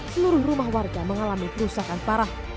seluruh rumah warga mengalami kerusakan parah